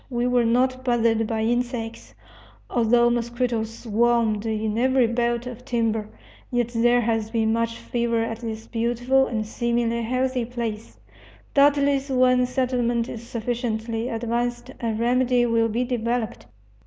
We were not bothered by insects, although mosquitoes swarmed in every belt of timber. Yet there has been much fever at this beautiful and seemingly healthy place. Doubtless when settlement is sufficiently advanced a remedy will be developed.